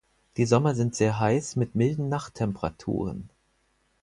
Die Sommer sind sehr heiß mit milden Nachttemperaturen.